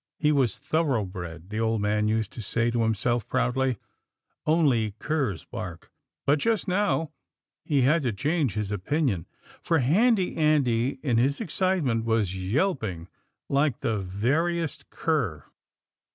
He was thoroughbred, the old man used to say to him self proudly. " Only curs bark," but just now he had to change his opinion, for Handy Andy in his excitement, was yelping like the veriest cur.